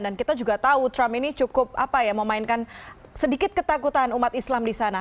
dan kita juga tahu trump ini cukup memainkan sedikit ketakutan umat islam di sana